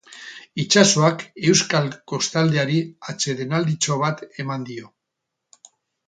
Itsasoak euskal kostaldeari atsedenalditxo bat eman dio.